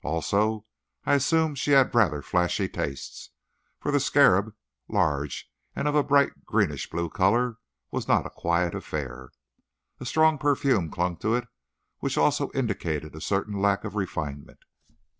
Also, I assumed she had rather flashy tastes, for the scarab, large, and of a bright greenish blue color, was not a quiet affair. A strong perfume clung to it, which also indicated a certain lack of refinement."